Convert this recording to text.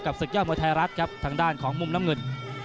กับสุขยั่งหมวทัยรัฐครับทางด้านของมุมน้ำเงิน